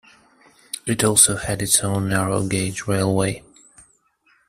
It also had its own narrow gauge railway.